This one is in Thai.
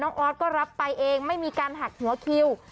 ออสก็รับไปเองไม่มีการหักหัวคิว